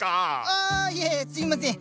あいやいやすいません！